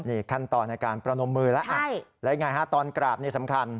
นี่ขั้นตอนในการประนมมือแล้วแล้วยังไงฮะตอนกราบนี่สำคัญ